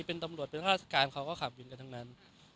เป็นตำรวจเป็นข้าราชการเขาก็ขับวินกันทั้งนั้น